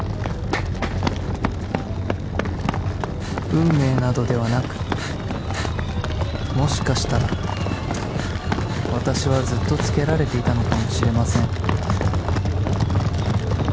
・・・［運命などではなくもしかしたら私はずっとつけられていたのかもしれません］